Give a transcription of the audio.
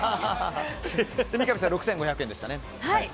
三上さん、６５００円でしたね。